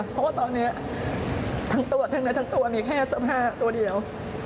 เพราะว่าตอนนี้ทั้งตัวทั้งเนื้อทั้งตัวมีแค่เสื้อผ้าตัวเดียว